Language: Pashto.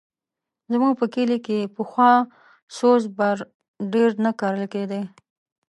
زموږ په کلي کښې پخوا سوز بر ډېر نه کرل کېدی.